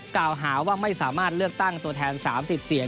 กล่าวหาว่าไม่สามารถเลือกตั้งตัวแทน๓๐เสียง